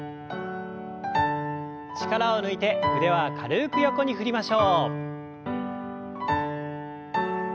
力を抜いて腕は軽く横に振りましょう。